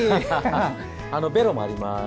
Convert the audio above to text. ベロもあります！